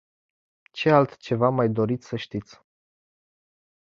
Ce altceva mai doriți să știți?